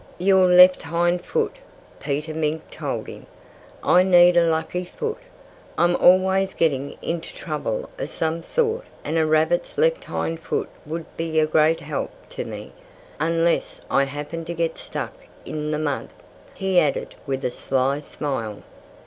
"Your left hind foot!" Peter Mink told him. "I need a lucky foot. I'm always getting into trouble of some sort and a rabbit's left hind foot would be a great help to me unless I happened to get stuck in the mud," he added with a sly smile.